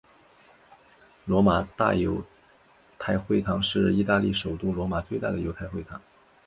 罗马大犹太会堂是意大利首都罗马最大的犹太会堂。